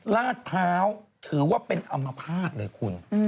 ลาดเภาส์ถือว่าเป็นอัมาภาพเลยคุณ